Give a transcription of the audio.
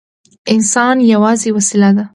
انسان یوازې وسیله ده.